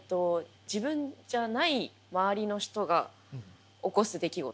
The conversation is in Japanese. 自分じゃない周りの人が起こす出来事。